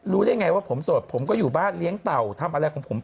ได้ไงว่าผมโสดผมก็อยู่บ้านเลี้ยงเต่าทำอะไรของผม